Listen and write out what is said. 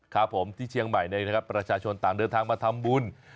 ครับผมที่เชียงใหม่ประชาชนต่างเดินทางมาทำบุญ